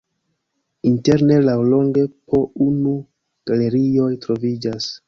Interne laŭlonge po unu galerioj troviĝas.